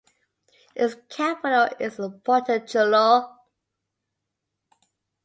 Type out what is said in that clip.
Its capital is Portachuelo.